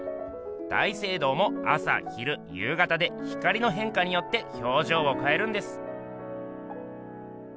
大聖堂も朝昼夕方で光のへんかによってひょうじょうをかえるんです。